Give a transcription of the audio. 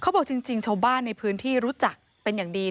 บอกจริงชาวบ้านในพื้นที่รู้จักเป็นอย่างดี